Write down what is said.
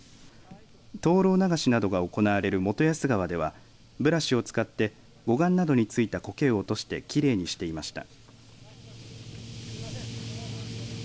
灯籠流しなどが行われる元安川ではブラシを使って護岸などについたこけを落としてきれいにしていました。